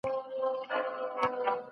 الهي روح انسان ته د فکر کولو ځواک ورکوي.